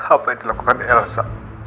apa yang dilakukan elsa